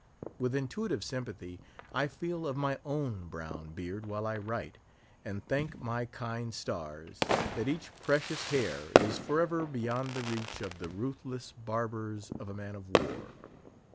With intuitive sympathy I feel of my own brown beard while I write, and thank my kind stars that each precious hair is for ever beyond the reach of the ruthless barbers of a man of war!